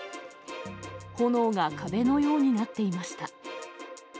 炎が壁のようになっていました。